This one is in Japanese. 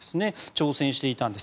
挑戦していたんです。